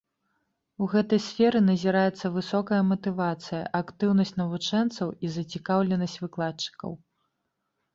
У гэтай сферы назіраецца высокая матывацыя, актыўнасць навучэнцаў і зацікаўленасць выкладчыкаў.